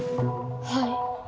はい。